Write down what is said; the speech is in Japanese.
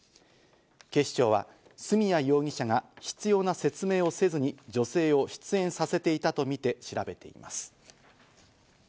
警視庁は角谷容疑者が必要な説明をせずに女性を出演させていたとみて調べています。